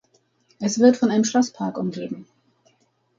Es wird von einem Schlosspark umgeben.